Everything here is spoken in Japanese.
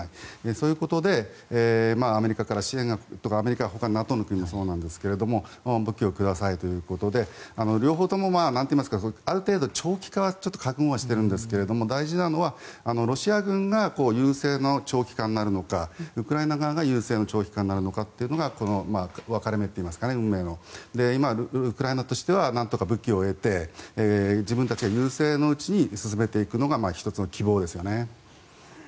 そういうことでアメリカから支援とかほかのＮＡＴＯの国もそうですが武器をくださいということで両方ともある程度長期化は覚悟してるんですが大事なのは、ロシア軍が優勢の長期化になるのかウクライナ側が優勢の長期化になるかということが運命の分かれ目といいますか今、ウクライナとしてはなんとか武器を得て自分たちが優勢のうちに進めていくのが１つの希望ですよね。